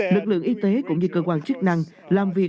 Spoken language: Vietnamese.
lực lượng y tế cũng như cơ quan chức năng làm việc